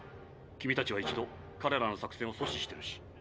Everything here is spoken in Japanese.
君たちは一度彼らの作戦を阻止してるし。